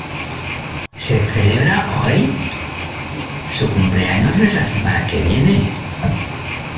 ¿ Se celebra hoy? ¡ su cumpleaños es la semana que viene!